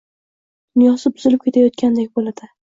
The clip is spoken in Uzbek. – dunyosi buzilib ketayotgandek bo‘ladi.